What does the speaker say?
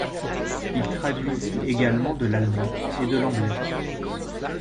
Il traduisit également de l'allemand et de l'anglais.